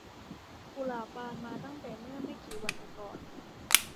กุหลาบบานมาตั้งแต่เมื่อไม่กี่วันก่อน